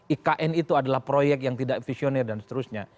ikn itu adalah proyek yang tidak visioner dan seterusnya